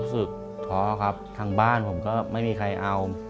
เปลี่ยนเพลงเพลงเก่งของคุณและข้ามผิดได้๑คำ